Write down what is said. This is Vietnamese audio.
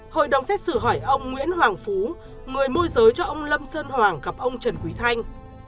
hội đồng xét xử hỏi ông nguyễn hoàng phú người môi giới cho ông lâm sơn hoàng gặp ông trần quý thanh